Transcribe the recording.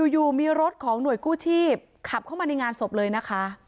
อยู่มีรถของหน่วยกู้ชีพขับเข้ามาในงานศพเลยนะคะ